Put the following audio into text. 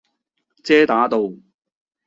遮打道